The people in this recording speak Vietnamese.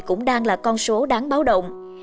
cũng đang là con số đáng báo động